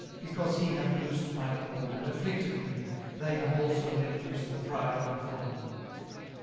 18:030:011 Because he hath loosed my cord, and afflicted me, they have also let loose the bridle before me.